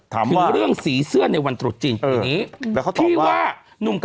ถึงเรื่องสีเสื้อในวันตรวจจริง